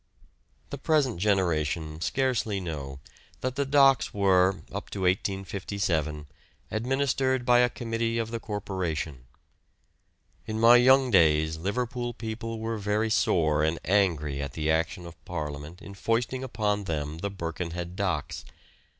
The present generation scarcely know that the docks were up to 1857 administered by a Committee of the Corporation. In my young days Liverpool people were very sore and angry at the action of Parliament in foisting upon them the Birkenhead docks.